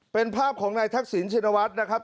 เป็นภาพของนายทักษิณชินวัฒน์นะครับ